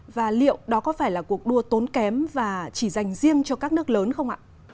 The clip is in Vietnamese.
và liệu đó có phải là cuộc đua tốn kém và chỉ dành riêng cho các nước lớn không ạ